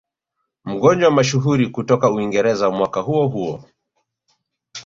Mgonjwa mashuhuri kutoka Uingereza mwaka huo huo